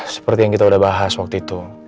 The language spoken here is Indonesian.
seperti yang kita udah bahas waktu itu